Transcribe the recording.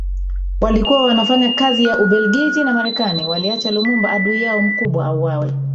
walikuwa wanafanya kazi ya Ubeligiji na Marekani waliacha Lumumba adui yao mkubwa auwawe